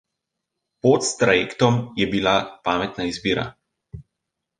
Pot s trajektom je bila pametna izbira.